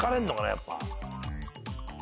やっぱ。